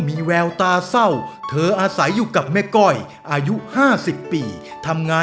สีสวยมากนะฮะนะฮะ